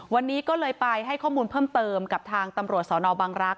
วันนี้ก็เลยไปให้ข้อมูลเพิ่มเติมกับทางตำรวจสนบังรักษ